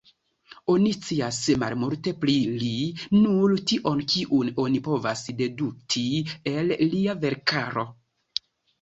Oni scias malmulte pri li, nur tion kiun oni povas dedukti el lia verkaro.